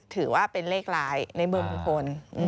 ถือว่าเป็นเลขลายในเบอร์ผู้คน